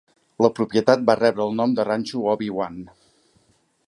La propietat va rebre el nom de Rancho Obi-Wan.